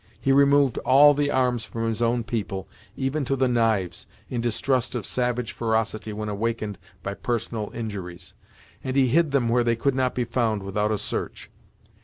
He removed all the arms from his own people, even to the knives, in distrust of savage ferocity when awakened by personal injuries, and he hid them where they could not be found without a search.